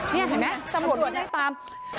นี่เห็นไหมตำรวจไม่ได้ตาม